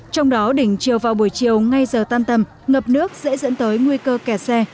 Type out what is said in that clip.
trong đó đỉnh chiều vào buổi chiều ngay giờ tan tầm ngập nước sẽ dẫn tới nguy cơ kẻ xe